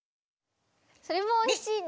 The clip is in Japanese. それもおいしいね！